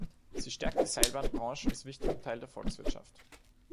Sie stärkt die Seilbahnbranche als wichtigen Teil der Volkswirtschaft.